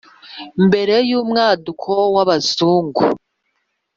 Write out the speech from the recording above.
mbere y'umwaduko w'Abazungu.